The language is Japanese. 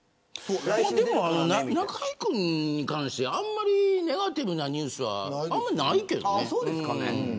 でも、中居君に関してあんまりネガティブなニュースはそうですかね。